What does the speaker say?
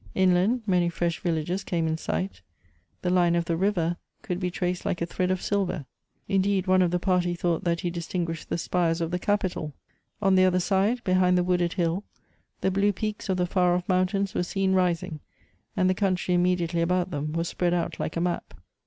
Inland many fresh villages came in sight. The line of the river could be traced like Elective Apfiitities. 79 a thread of silver; indeed, one of the party thought that he distinguished the spires of the capital. On the other side, hehind the wooded hill, the blue peaks of the far off mountains were seen rising, and the country immediately about them was spread out like a map.